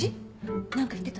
なんか言ってた？